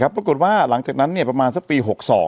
ปรากฏว่าหลังจากนั้นประมาณสักปี๖๒